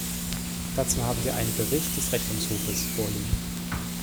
Dazu haben wir einen Bericht des Rechnungshofes vorliegen.